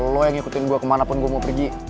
lo yang ngikutin gue kemana pun gue mau pergi